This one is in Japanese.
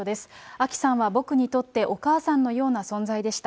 あきさんは僕にとってお母さんのような存在でした。